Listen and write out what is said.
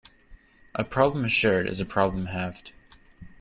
A problem shared is a problem halved.